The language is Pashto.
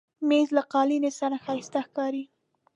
مېز له قالینې سره ښایسته ښکاري.